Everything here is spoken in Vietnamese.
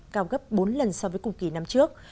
cao gấp bốn lần so với cùng kỳ năm trước